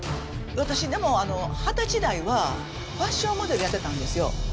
私でも二十歳代はファッションモデルやってたんですよ。